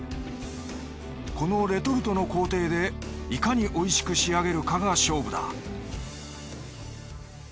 このレトルトの工程でいかにおいしく仕上げるかが勝負だ。